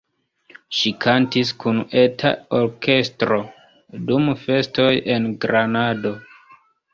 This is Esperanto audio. Ŝi kantis kun eta orkestro dum festoj en Granado.